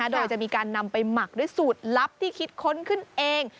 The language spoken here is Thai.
โดยจะมีการนำไปหมักด้วยสูตรลับที่คิดค้นขึ้นเอง